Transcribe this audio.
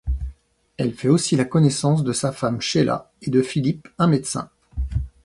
Elle fait aussi la connaissance de sa femme Sheila et de Philip, un médecin.